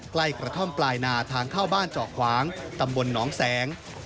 ใกล้กระท่อมปลายนาทางเข้าบ้านเจาะขวางตำบลหนองแสง